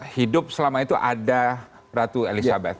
hidup selama itu ada ratu elizabeth